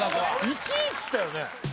１位っつったよね。